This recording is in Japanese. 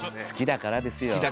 好きだからですよ。